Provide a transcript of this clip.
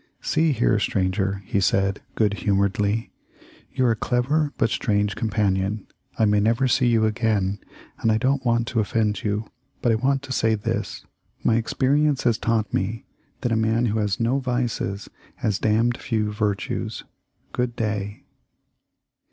"See here, stranger," he said, good humoredly, "you're a clever, but strange companion. I may never see you again, and I don't want to offend you, but I want to say this : my experience has taught me that a man who has no vices has d — d few virtues. Good day."